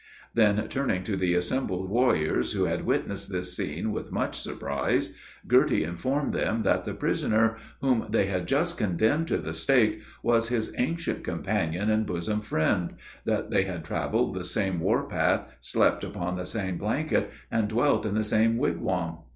Then turning to the assembled warriors, who had witnessed this scene with much surprise, Girty informed them that the prisoner, whom they had just condemned to the stake, was his ancient companion and bosom friend; that they had traveled the same war path, slept upon the same blanket, and dwelt in the same wigwam.